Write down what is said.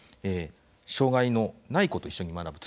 障害のない子と一緒に学ぶ